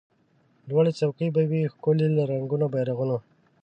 لوړي څوکي به وي ښکلي له رنګینو بیرغونو